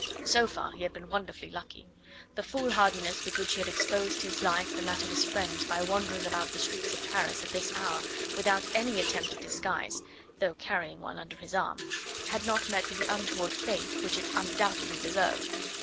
So far he had been wonderfully lucky. The foolhardiness with which he had exposed his life and that of his friends by wandering about the streets of Paris at this hour without any attempt at disguise, though carrying one under his arm, had not met with the untoward fate which it undoubtedly deserved.